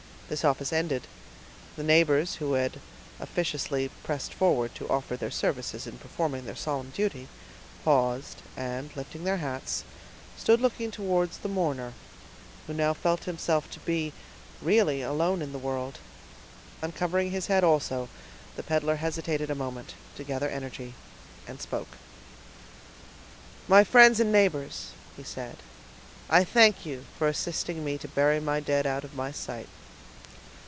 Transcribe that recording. This office ended, the neighbors, who had officiously pressed forward to offer their services in performing their solemn duty, paused, and lifting their hats, stood looking towards the mourner, who now felt himself to be really alone in the world. Uncovering his head also, the peddler hesitated a moment, to gather energy, and spoke. "My friends and neighbors," he said, "I thank you for assisting me to bury my dead out of my sight."